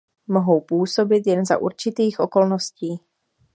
Mohou působit jen za určitých okolností.